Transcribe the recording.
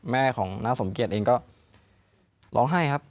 แม่ของน้าสมเกียจเองก็ร้องไห้ครับ